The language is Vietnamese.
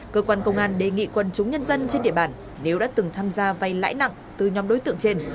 cơ quan công an đề nghị quân chúng nhân dân trên địa bàn nếu đã từng tham gia vay lãi nặng từ nhóm đối tượng trên